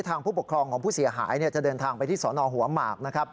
ผู้ปกครองของผู้เสียหายจะเดินทางไปที่สนหัวหมากนะครับ